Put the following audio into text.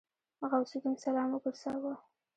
غوث الدين سلام وګرځاوه.